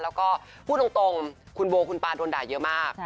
แล้วก็พูดตรงคุณโบคุณปาโดนด่าเยอะมาก